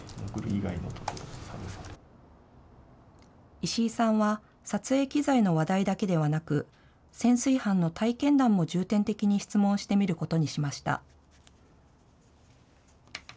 石井さんは撮影機材の話題だけではなく潜水班の体験談も重点的に質問してみることにしました。